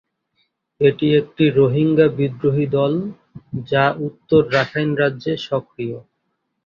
এটি একটি রোহিঙ্গা বিদ্রোহী দল যা উত্তর রাখাইন রাজ্যে সক্রিয়।